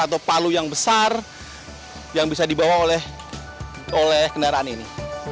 atau palu yang besar yang bisa dibawa oleh kendaraan ini